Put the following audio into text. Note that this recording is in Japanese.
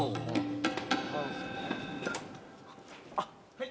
はい。